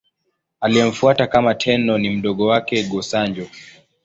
Aliyemfuata kama Tenno ni mdogo wake, Go-Sanjo.